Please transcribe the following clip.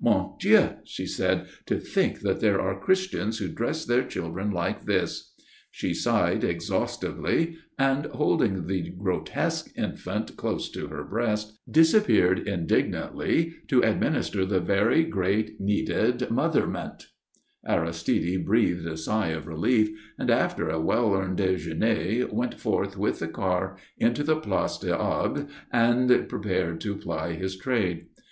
"Mon Dieu!" she said. "To think that there are Christians who dress their children like this!" She sighed exhaustively, and, holding the grotesque infant close to her breast, disappeared indignantly to administer the very greatly needed motherment. [Illustration: HE DEMONSTRATED THE PROPER APPLICATION OF THE CURE] Aristide breathed a sigh of relief, and after a well earned déjeuner went forth with the car into the Place des Arbres and prepared to ply his trade.